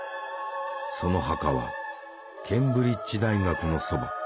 その墓はケンブリッジ大学のそば